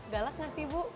galak gak sih ibu